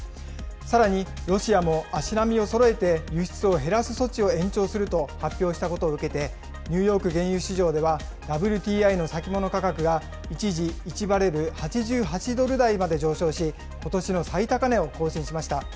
さらに、ロシアも足並みをそろえて輸出を減らす措置を延長すると発表したことを受けて、ニューヨーク原油市場では、ＷＴＩの先物価格が一時１バレル８８ドル台まで上昇し、ことしの最高値を更新しました。